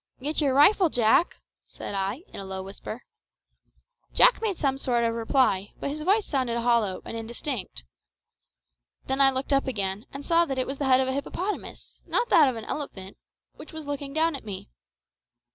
"Get your rifle, Jack!" said I, in a low whisper. Jack made some sort of reply, but his voice sounded hollow and indistinct. Then I looked up again, and saw that it was the head of a hippopotamus, not that of an elephant, which was looking down at me.